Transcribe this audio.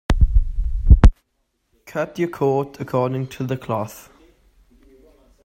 Cut your coat according to the cloth.